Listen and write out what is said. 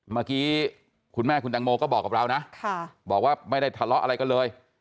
เมื่อกี้คุณแม่คุณแตงโมก็บอกกับเรานะบอกว่าไม่ได้ทะเลาะอะไรกันเลย